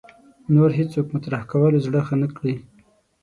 نور هېڅوک مطرح کولو زړه ښه نه کړي